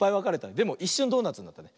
でもいっしゅんドーナツになったね。